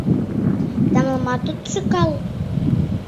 Тамлымат от шӱкал?